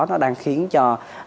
nó đang khiến cho